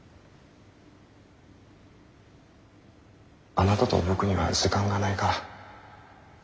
・あなたと僕には時間がないから。